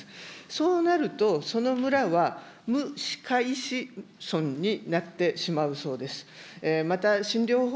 そうなると、その村は無歯科医師村になってしまうそうです。